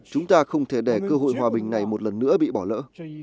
chúng ta không thể để cơ hội hòa bình này một lần nữa bị bỏ lỡ